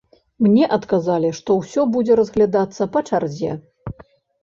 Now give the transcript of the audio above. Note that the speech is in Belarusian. Мне адказалі, што ўсё будзе разглядацца па чарзе.